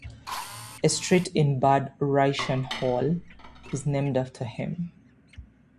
A street in Bad Reichenhall is named after him.